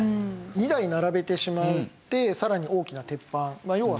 ２台並べてしまってさらに大きな鉄板ま